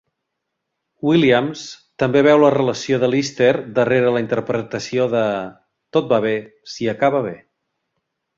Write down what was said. Williams també veu la relació de Lister darrere la interpretació de "Tot va bé si acaba bé".